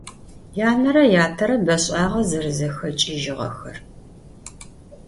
Yanere yatere beş'ağe zerezexeç'ıjığexer.